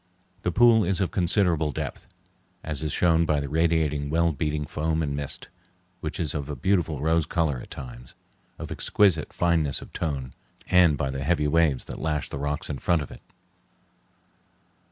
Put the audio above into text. The pool is of considerable depth, as is shown by the radiating well beaten foam and mist, which is of a beautiful rose color at times, of exquisite fineness of tone, and by the heavy waves that lash the rocks in front of it.